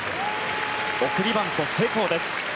送りバント、成功です。